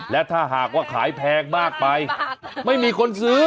และถ้าหากว่าขายแพงมากไปไม่มีคนซื้อ